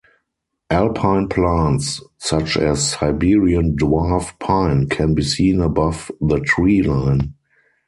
Alpine plants, such as Siberian dwarf pine can be seen above the tree line.